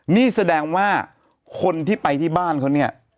นี่แสดงว่าคนที่ไปที่บ้านเขาเนี่ย